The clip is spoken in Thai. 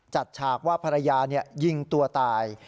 ฉากว่าภรรยายิงตัวตาย